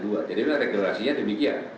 jadi ini regulasinya demikian